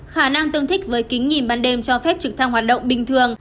khả năng tương thích với kính nhìn ban đêm cho phép trực thăng hoạt động bình thường